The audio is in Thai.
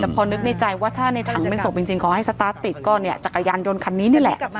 แต่พอนึกในใจว่าถ้าในถังเป็นศพจริงขอให้สตาร์ทติดก็เนี่ยจักรยานยนต์คันนี้นี่แหละ